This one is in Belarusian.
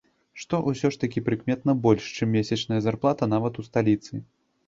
Што ўсё ж такі прыкметна больш, чым месячная зарплата нават у сталіцы.